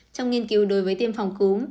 trong nghiên cứu đối với tiêm phòng cúm